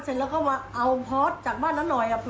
เสร็จแล้วก็มาเอาพอร์ตจากบ้านนั้นหน่อย